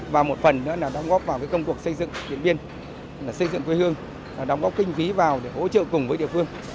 và một phần nữa là đóng góp vào công cuộc xây dựng điện biên xây dựng quê hương đóng góp kinh phí vào để hỗ trợ cùng với địa phương